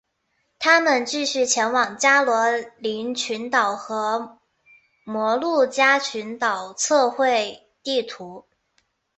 他们继续前往加罗林群岛和摩鹿加群岛测绘地图。